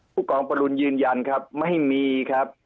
ผู้กองปรุณยืนยันครับไม่มีครับ